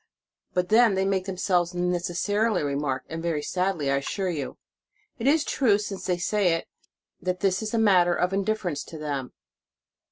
But then they make themselves necessarily remarked, and very sadly, I assure you. It is true, since they say it, that this is a matter of indifference to them.